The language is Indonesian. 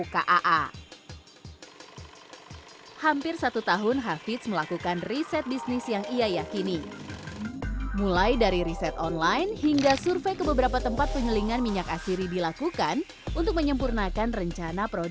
kemudian bagaimana manajemen usaha itu ternyata nggak segampang